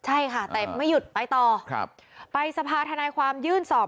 ใช่ค่ะแต่ไม่หยุดไปต่อไปสภาธนายความยื่นสอบ